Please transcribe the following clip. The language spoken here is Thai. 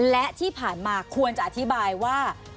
และที่ผ่านมาควรจะอธิบายว่า